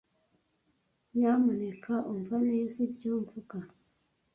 Nyamuneka umva neza ibyo mvuga.